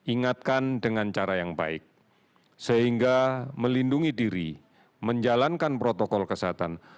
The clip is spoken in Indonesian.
ingatkan dengan cara yang baik sehingga melindungi diri menjalankan protokol kesehatan